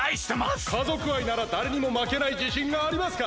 家族愛ならだれにもまけないじしんがありますか？